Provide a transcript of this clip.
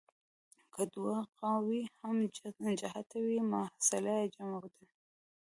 که دوه قوې هم جهته وي محصله یې جمع ده.